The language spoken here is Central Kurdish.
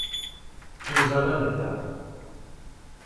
جوزەلە لێدە.